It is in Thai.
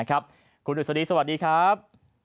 คุณอุศดีสวัสดีครับ